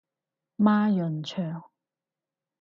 孖膶腸